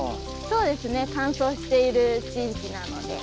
そうですね乾燥している地域なので。